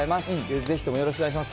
ぜひともよろしくお願いします。